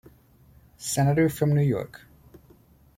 Senator from New York.